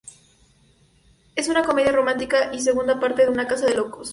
Es una comedia romántica y segunda parte de "Una casa de locos".